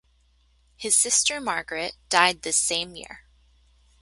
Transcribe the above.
His sister, Margaret died this same year.